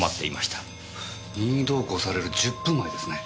任意同行される１０分前ですね。